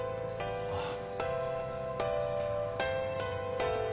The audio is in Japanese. あっ。